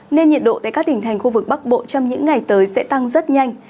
nên nhiệt độ tại các tỉnh thành khu vực bắc bộ trong những ngày tới sẽ tăng rất nhanh